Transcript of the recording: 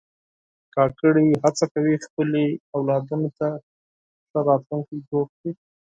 کاکړي هڅه کوي خپلو اولادونو ته ښه راتلونکی جوړ کړي.